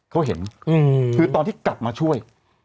เขาเห็นคือตอนที่กลับมาช่วย